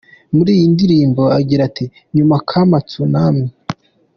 Muri iyi ndirimbo agira ati “Nyuma kama Tsunami.